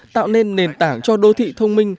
tạo nên nền tảng cho đô thị thông minh